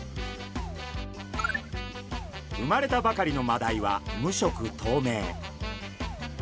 生まれたばかりのマダイは無色とうめい。